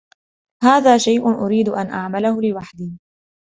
هذا شيء اريد ان اعمله لوحدي.